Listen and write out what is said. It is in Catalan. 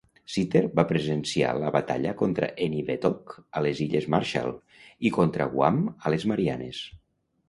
Sitter va presenciar la batalla contra Eniwetok a les illes Marshall, i contra Guam a les Marianes.